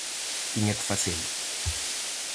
Tiña que facelo.